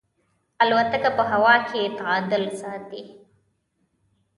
الوتکه په هوا کې تعادل ساتي.